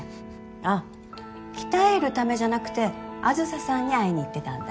あっ鍛えるためじゃなくてあづささんに会いに行ってたんだ。